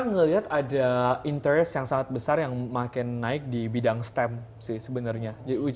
saya melihat ada interest yang sangat besar yang makin naik di bidang stem sih sebenarnya